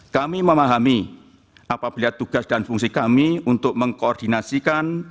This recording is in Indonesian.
kami memahami apabila tugas dan fungsi kami untuk mengkoordinasikan